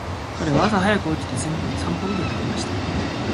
彼は朝早く起きて散歩に出かけました。